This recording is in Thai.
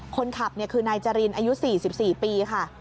คนขับคือนายจรินอายุ๔๔ปีค่ะ